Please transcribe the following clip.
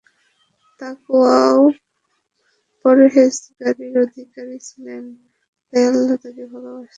তাকওয়া ও পরহেযগারীর অধিকারী ছিলেন, তাই আল্লাহ তাকে ভালবাসতেন।